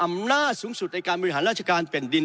อำนาจสูงสุดในการบริหารราชการแผ่นดิน